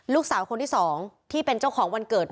ลูกสาวคนที่สองที่เป็นเจ้าของวันเกิด